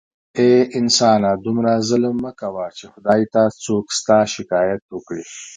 اې انسانه دومره ظلم مه کوه چې خدای ته څوک ستا شکایت وکړي